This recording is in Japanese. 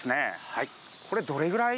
はい。